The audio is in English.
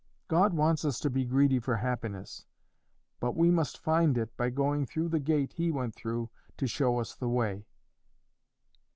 God wants us to be greedy for happiness; but we must find it by going through the gate He went through to show us the way."